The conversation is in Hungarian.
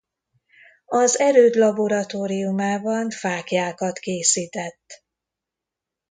Az erőd laboratóriumában fáklyákat készített.